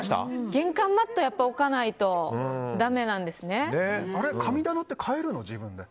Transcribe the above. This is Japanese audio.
玄関マット置かないとだめなんですね。